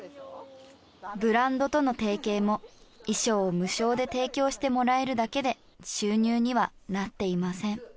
ブランドとの提携も衣装を無償で提供してもらえるだけで収入にはなっていません。